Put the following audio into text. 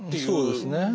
そうですね。